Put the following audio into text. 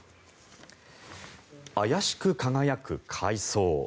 妖しく輝く海藻。